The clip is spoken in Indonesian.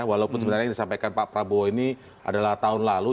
walaupun sebenarnya yang disampaikan pak prabowo ini adalah tahun lalu